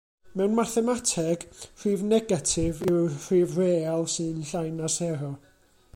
Mewn mathemateg, rhif negatif yw rhif real sy'n llai na sero.